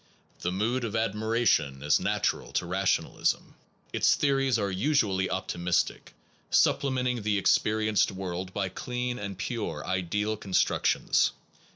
The mood of admiration is natural to rationalism. Its theories are usually optimis tic, supplementing the experienced world by clean and pure ideal constructions.